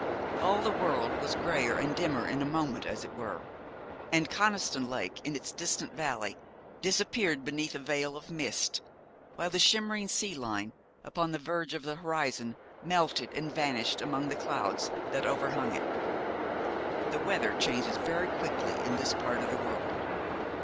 All the world was greyer and dimmer in a moment, as it were, and Coniston Lake in its distant valley disappeared beneath a veil of mist, while the shimmering sea line upon the verge of the horizon melted and vanished among the clouds that overhung it. The weather changes very quickly in this part of the world.